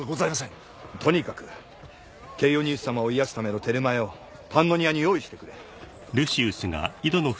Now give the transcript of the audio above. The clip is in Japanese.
とにかくケイオニウス様を癒やすためのテルマエをパンノニアに用意してくれ